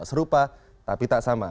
serupa tapi tak sama